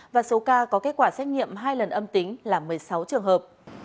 và số ca có kết quả xét nghiệm hai lần âm tính là một mươi sáu trường hợp